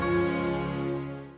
terima kasih om jaromata dezenap